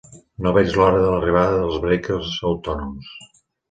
No veig l'hora de l'arribada dels vehicles autònoms.